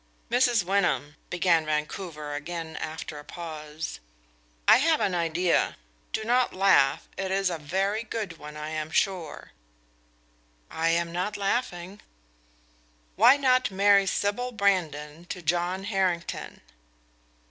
"Mrs. Wyndham," began Vancouver again after a pause, "I have an idea do not laugh, it is a very good one, I am sure." "I am not laughing." "Why not marry Sibyl Brandon to John Harrington?"